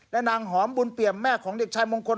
นางหอมบุญเปี่ยมแม่ของเด็กชายมงคล